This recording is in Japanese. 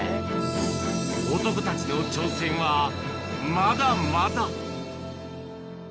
男たちの挑戦はまだまだ。